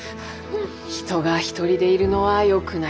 「人が一人でいるのはよくない」。